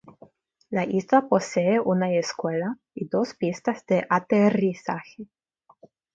La isla posee una escuela y dos pistas de aterrizaje.